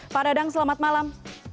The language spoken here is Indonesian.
pak dadang selamat malam